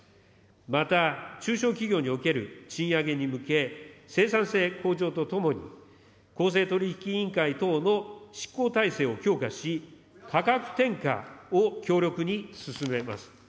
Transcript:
また、中小企業における賃上げに向け、生産性向上とともに、公正取引委員会等の執行体制を強化し、価格転嫁を強力に進めます。